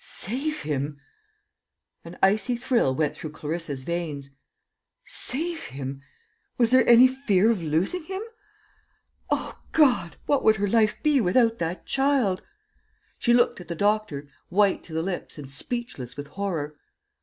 Save him! An icy thrill went through Clarissa's veins. Save him! Was there any fear of losing him? O God, what would her life be without that child? She looked at the doctor, white to the lips and speechless with horror.